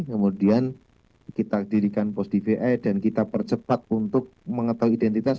kemudian kita didirikan posco dvi dan kita percepat untuk mengetahui identitas